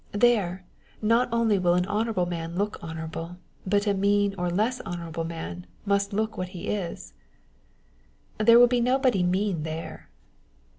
There, not only will an honorable man look honorable, but a mean or less honorable man must look what he is." "There will be nobody mean there."